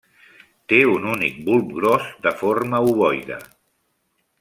Té un únic bulb gros, de forma ovoide.